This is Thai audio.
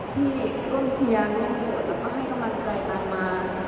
ที่ร่วมเชียร์ร่วมบวชแล้วก็ให้กำลังใจนางมา